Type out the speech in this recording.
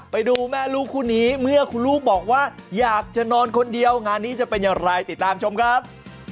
ไปดูแม่ลูกคู่นี้เมื่อคุณลูกบอกว่าอยากจะนอนคนเดียวงานนี้จะเป็นอย่างไรติดตามชมครับ